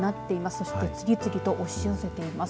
そして次々と押し寄せています。